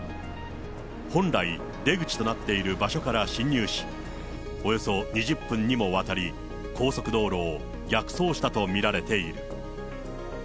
本来、出口となっている場所から進入し、およそ２０分にもわたり、高速道路を逆走したと見られている。